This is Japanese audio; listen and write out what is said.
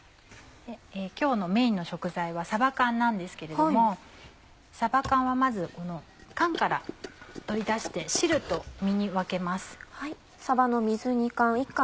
今日のメインの食材はさば缶なんですけれどもさば缶はまずこの缶から取り出して汁と身に分けます。